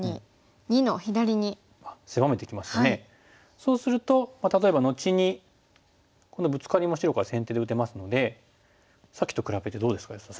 そうすると例えば後にこのブツカリも白から先手で打てますのでさっきと比べてどうですか安田さん。